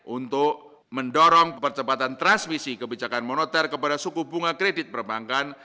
untuk mendorong percepatan transmisi kebijakan moneter kepada suku bunga kredit perbankan